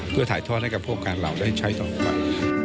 เพื่อถ่ายทอดให้กับพวกการเหล่าได้ใช้ต่อไป